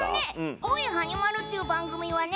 「おーい！はに丸」っていう番組はね